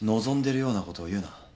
望んでるようなことを言うな。